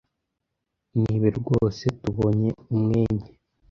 Nibe rwose tubonye umwenye